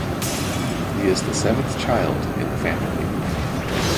He is the seventh child in the family.